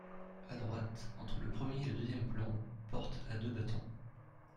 À droite, entre le premier et le deuxième plan, porte à deux battants.